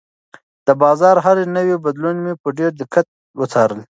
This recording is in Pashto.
د بازار هر نوی بدلون مې په ډېر دقت وڅارلو.